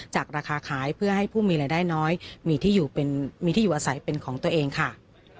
ราคาขายเพื่อให้ผู้มีรายได้น้อยมีที่อยู่มีที่อยู่อาศัยเป็นของตัวเองค่ะ